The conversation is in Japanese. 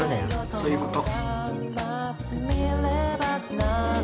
そういうこと。